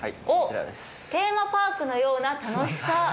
おっ「テーマパークのような楽しさ」。